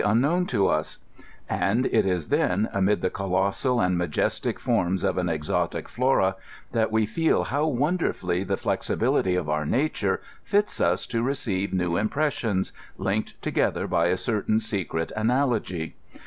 27 unknown to us ; and it is then, amid the oolosBal and majestio forms of an exotic flora, that we feel how wonderfully the flex ibility of our nature fits us to receive new impressions, linked together by a certain secret analogy.